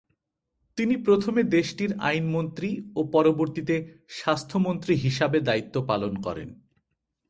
তিনি প্রথমে দেশটির আইনমন্ত্রী ও পরবর্তীতে স্বাস্থ্যমন্ত্রী হিসাবে দায়িত্ব পালন করেন।